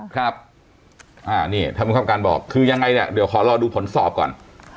ครับนี่ท่านผู้คับการบอกคือยังไงเนี่ยเดี๋ยวขอรอดูผลสอบก่อน